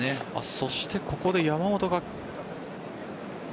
そしてここで山本が。